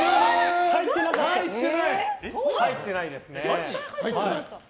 入ってないですね。